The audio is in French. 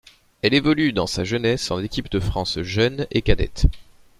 Elle évolue dans sa jeunesse en équipes de France jeune et cadette.